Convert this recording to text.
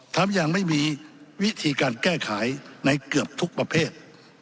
ยังไม่มีวิธีการแก้ไขในเกือบทุกประเภท